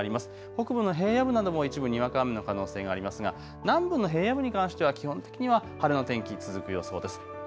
北部の平野部なども一部にわか雨の可能性がありますが南部の平野部に関しては基本的には晴れの天気、続く予想です。